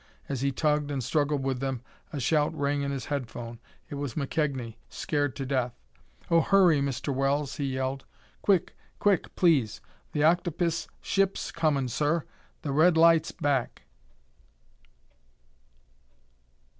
As he tugged and struggled with them a shout rang in his headphone. It was McKegnie, scared to death. "Oh, hurry, Mr. Wells!" he yelled. "Quick! Quick, please! The octopis ship's comin', sir! The red light's back!"